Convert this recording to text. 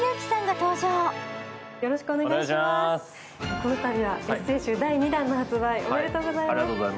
このたびはエッセイ集第２弾の発売、おめでとうございます。